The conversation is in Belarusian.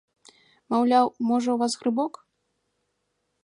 Маўляў, можа, у вас грыбок.